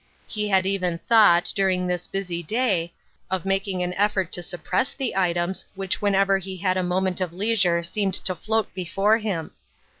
He had even thought, during this busy day, of making an effort to suppress the items which whenever he had a moment of leisure seemed to float before him.